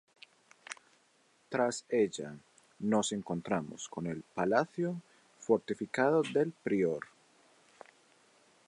Tras ella nos encontramos con el Palacio fortificado del Prior.